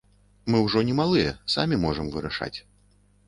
Мы ўжо не малыя, самі можам вырашаць.